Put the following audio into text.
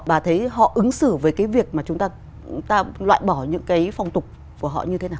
bà thấy họ ứng xử với cái việc mà chúng ta loại bỏ những cái phong tục của họ như thế nào